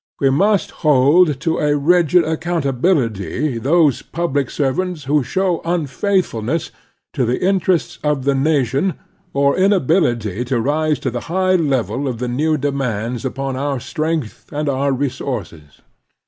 We must hold to a rigid accotmt ability those public servants who show unfaithful ness to the interests of the nation or inability to rise to the high level of the new demands upon otir strength and otu* resources.